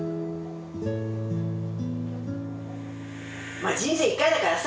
まあ人生一回だからさ！